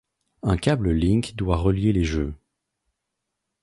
Un câble link doit relier les jeux.